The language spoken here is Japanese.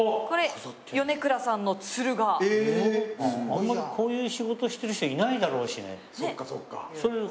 あんまこういう仕事してる人いないだろうしね。